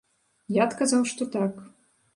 Я адказаў, што так.